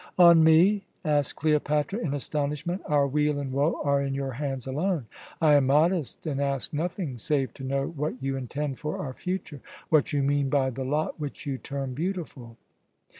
"On me?" asked Cleopatra in astonishment. "Our weal and woe are in your hands alone. I am modest and ask nothing save to know what you intend for our future, what you mean by the lot which you term beautiful."